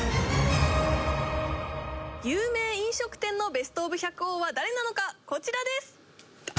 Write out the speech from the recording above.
有名飲食店のベストオブ百王は誰なのかこちらですあ